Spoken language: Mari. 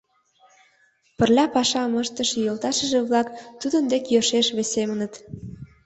Пырля пашам ыштыше йолташыже-влак тудын дек йӧршеш весемыныт.